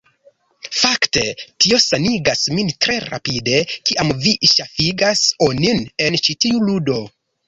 Fakte tio sanigas min tre rapide kiam vi ŝafigas onin en ĉi tiu ludo.